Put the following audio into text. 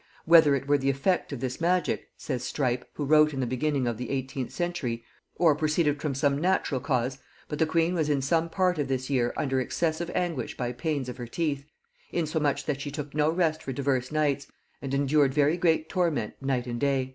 "Whether it were the effect of this magic," says Strype, who wrote in the beginning of the eighteenth century, "or proceeded from some natural cause, but the queen was in some part of this year under excessive anguish by pains of her teeth: Insomuch that she took no rest for divers nights, and endured very great torment night and day."